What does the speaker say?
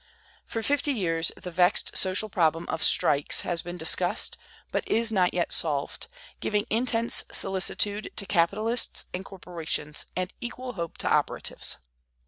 For fifty years the vexed social problem of "strikes" has been discussed, but is not yet solved, giving intense solicitude to capitalists and corporations, and equal hope to operatives.